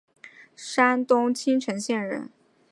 山东青城县人。